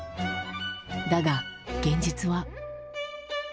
だが現実は。